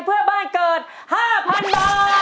เพื่อบ้านเกิด๕๐๐๐บาท